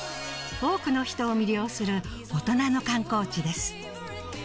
多くの人を魅了する大人の観光地です